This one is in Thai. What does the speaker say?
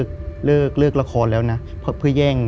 คือก่อนอื่นพี่แจ็คผมได้ตั้งชื่อเอาไว้ชื่อเอาไว้ชื่อเอาไว้ชื่อ